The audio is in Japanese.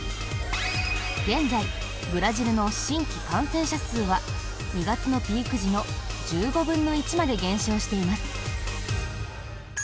現在、ブラジルの新規感染者数は２月のピーク時の１５分の１まで減少しています。